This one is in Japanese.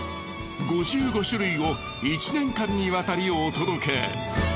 ５５種類を１年間にわたりお届け。